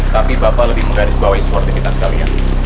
tapi bapak lebih menggarisbawahi sportivitas sekalian